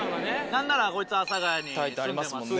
何ならこいつ阿佐ヶ谷に住んでますし。